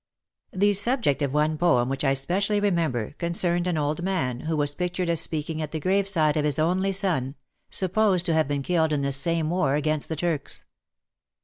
The subject of one poem which I specially remember, concerned an old man, who was pictured as speaking at the graveside of his only son, supposed to have been killed in this same war against the Turks.